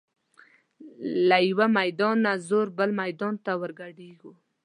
له یوه میدانه وزو بل میدان ته ور ګډیږو